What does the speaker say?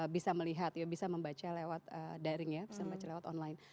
bisa melihat ya bisa membaca lewat daring ya bisa membaca lewat online